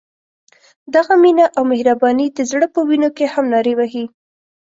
دغه مینه او مهرباني د زړه په وینو کې هم نارې وهي.